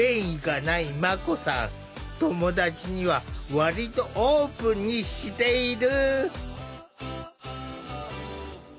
友達には割とオープンにしている。